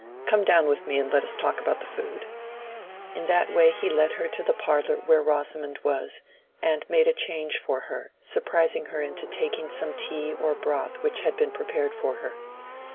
"Come down with me and let us talk about the food." In that way he led her to the parlor where Rosamond was, and made a change for her, surprising her into taking some tea or broth which had been prepared for her.